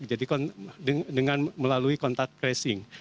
jadi dengan melalui kontak tracing